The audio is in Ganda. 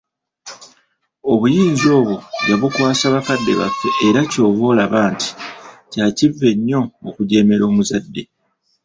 Obuyinza obwo yabukwasa bakadde baffe era ky'ova olaba nti kya kivve nnyo okujeemera omuzadde.